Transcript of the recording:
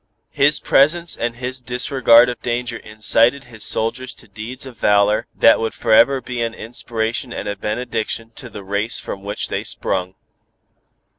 His presence and his disregard of danger incited his soldiers to deeds of valor that would forever be an "inspiration and a benediction" to the race from which they sprung.